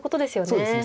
そうですね。